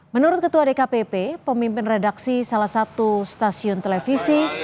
menurut ketua dkpp pemimpin redaksi salah satu stasiun televisi